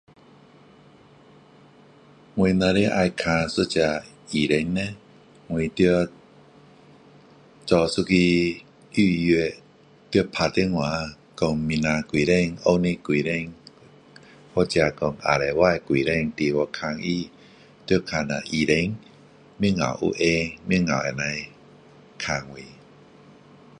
我若是要看一个医生叻我就是要做一个预约要打电话说明天几点后天几点或者说下星期几点进去看他要看下医生几时有空几时能够看我